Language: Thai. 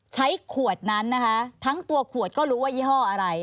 ใช้ขวดนั้นนะคะทั้งตัวขวดก็รู้ว่ายี่ห้ออะไร